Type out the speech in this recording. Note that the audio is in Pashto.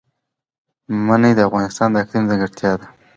منی د افغانستان د اقلیم ځانګړتیا ده.